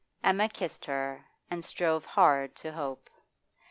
Emma kissed her, and strove hard to hope.